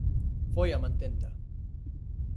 Foi á mantenta.